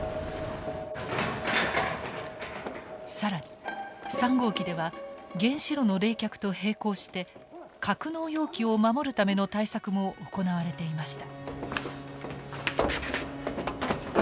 更に３号機では原子炉の冷却と並行して格納容器を守るための対策も行われていました。